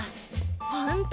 ホント！